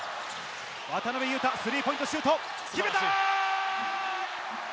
渡邊雄太、スリーポイントシュート、決めたー！